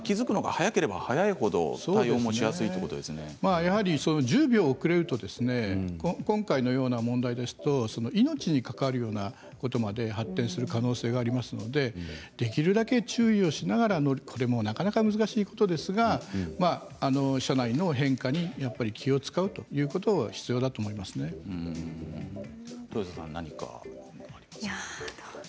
気付くのが早ければ早いほど対応もしやすいということ１０秒遅れると今回のような問題ですと命に関わるようなことにまで発展する可能性がありますのでできるだけ注意をしながらこれもなかなか難しいことですが車内の変化にやっぱり気を遣うと豊田さん何かありますか。